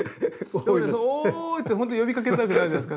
「おーい。」ってほんとに呼びかけたくなるじゃないですか。